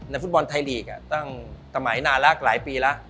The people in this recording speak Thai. ฟุตบอลไทยลีกตั้งสมัยนานแล้วหลายปีแล้ว